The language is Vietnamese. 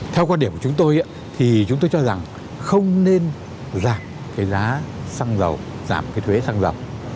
theo quan điểm của chúng tôi thì chúng tôi cho rằng không nên giảm cái giá xăng dầu giảm cái thuế xăng dầu